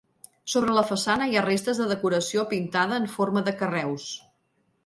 Sobre la façana hi ha restes de decoració pintada en forma de carreus.